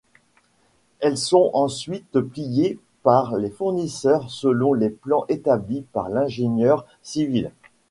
Elles sont ensuite pliées par les fournisseurs selon les plans établis par l'ingénieur civil.